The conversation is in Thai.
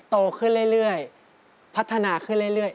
โตขึ้นเรื่อยพัฒนาขึ้นเรื่อย